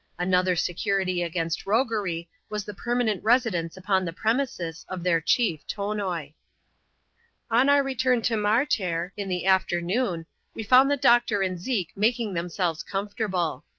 Another security against roguery was the permanent residence upon the premises of their chief, Tonoi. On our return to Martair, in the afternoon, we found the doctor and Zeke making themselves comfortable.